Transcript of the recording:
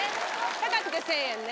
高くて１０００円ね。